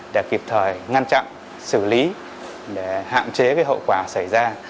để kịp thời ngăn chặn xử lý để hạn chế hậu quả xảy ra